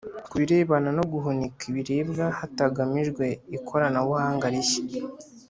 Ku birebana no guhunika ibiribwa hatangijwe ikoranabuhanga rishya